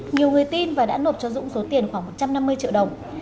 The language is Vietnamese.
nhiều người tin và đã nộp cho dũng số tiền khoảng một trăm năm mươi triệu đồng